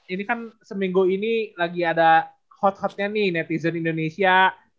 ini kan seminggu ini lagi ada hot hotnya nih netizen indonesia